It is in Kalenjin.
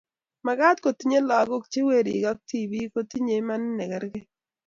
Magat kotinyei lagok che werik ak che tibik kotinyei imanit ne kerkei